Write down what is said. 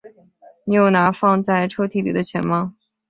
你有拿放在抽屉里的钱吗？